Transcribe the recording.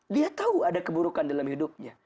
dia tahu ada keburukan dalam hidupnya